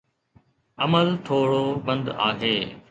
عمل ٿورو بند آهي.